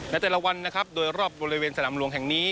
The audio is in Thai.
ในแต่ละวันนะครับโดยรอบบริเวณสนามหลวงแห่งนี้